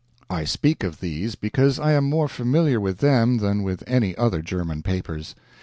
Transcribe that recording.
I speak of these because I am more familiar with them than with any other German papers.